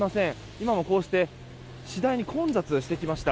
今も、こうして次第に混雑してきました。